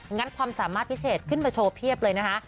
ัดความสามารถพิเศษขึ้นมาโชว์เพียบเลยนะคะ